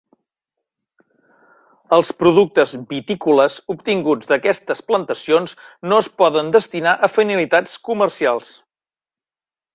Els productes vitícoles obtinguts d'aquestes plantacions no es poden destinar a finalitats comercials.